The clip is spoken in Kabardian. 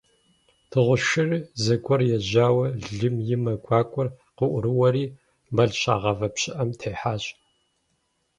Дыгъужь шырыр зэгуэр ежьауэ лым и мэ гуакӀуэр къыӀурыуэри, мэл щагъавэ пщыӀэм техьащ.